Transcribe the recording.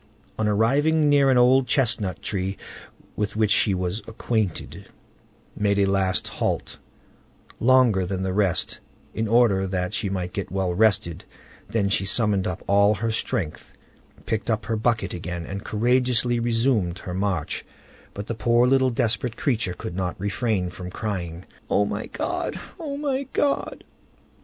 On arriving near an old chestnut tree with which she was acquainted, made a last halt, longer than the rest, in order that she might get well rested; then she summoned up all her strength, picked up her bucket again, and courageously resumed her march, but the poor little desperate creature could not refrain from crying, "O my God! my God!"